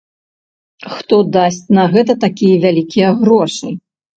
Хто дасць на гэта такія вялікія грошы?